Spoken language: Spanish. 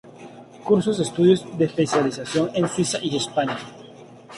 Cursó estudios de Especialización en Suiza y España.